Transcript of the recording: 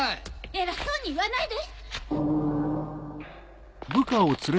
偉そうに言わないで。